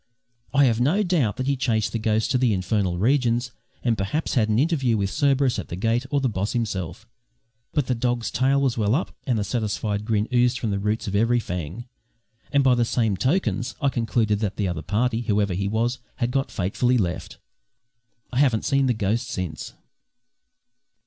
I have no doubt that he chased the ghost to the infernal regions and perhaps had an interview with Cerberus at the gate, or the boss himself; but the dog's tail was well up and a satisfied grin oozed from the roots of every fang, and by the same tokens I concluded that the other party, whoever he was, had got fatally left. I haven't seen the ghost since.